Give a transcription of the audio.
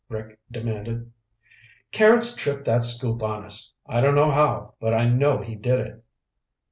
Rick demanded. "Carrots tripped that scoop on us. I don't know how, but I know he did it."